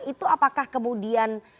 itu apakah kemudian